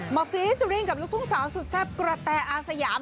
ฟีเจอร์ริ่งกับลูกทุ่งสาวสุดแซ่บกระแตอาสยาม